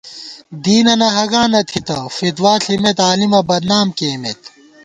دینَنہ ہَگا نہ تِھتہ، فتویٰ ݪِمېت، عالِمہ بدنام کېئیمېت